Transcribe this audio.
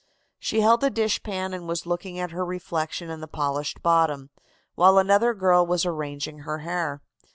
She held a dishpan and was looking at her reflection in the polished bottom, while another girl was arranging her hair.